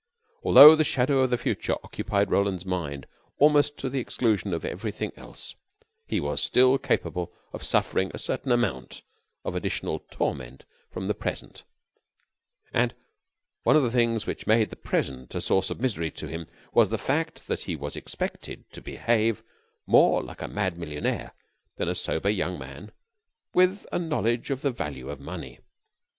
Altho the shadow of the future occupied Roland's mind almost to the exclusion of everything else, he was still capable of suffering a certain amount of additional torment from the present; and one of the things which made the present a source of misery to him was the fact that he was expected to behave more like a mad millionaire than a sober young man with a knowledge of the value of money.